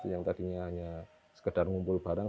yang tadinya hanya sekedar ngumpul bareng